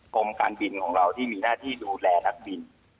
กรมการบินของเราที่มีหน้าที่ดูแลนักบิน